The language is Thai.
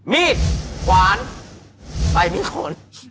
มีขวานใบมีขน